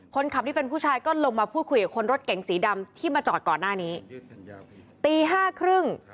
คนขับที่เป็นผู้ชายก็ลงมาพูดคุยกับคนรถเก๋งสีดำที่มาจอดก่อนหน้านี้ตีห้าครึ่ง